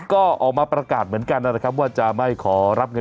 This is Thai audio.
ก็ออกมาประกาศเหมือนกันนะครับว่าจะไม่ขอรับเงิน